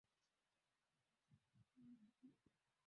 bora ya sera ya dawaWakati wabunge walipitisha Sheria ya Dawa